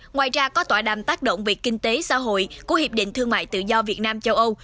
ngoài ra có tọa đàm tác động về kinh tế xã hội của hiệp định thương mại tự do việt nam châu âu